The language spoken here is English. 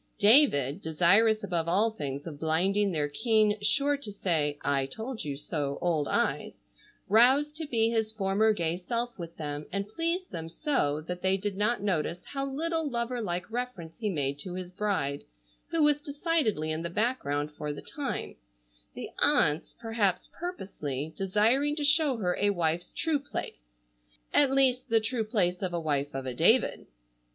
David, desirous above all things of blinding their keen, sure to say "I told you so" old eyes, roused to be his former gay self with them, and pleased them so that they did not notice how little lover like reference he made to his bride, who was decidedly in the background for the time, the aunts, perhaps purposely, desiring to show her a wife's true place,—at least the true place of a wife of a David.